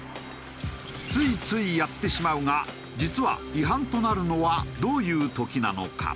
ついついやってしまうが実は違反となるのはどういう時なのか？